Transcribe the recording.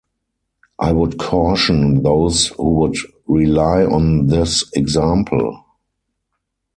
I would caution those who would rely on this example.